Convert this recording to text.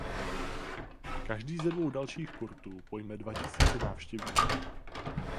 Každý ze dvou dalších kurtů pojme dva tisíce návštěvníků.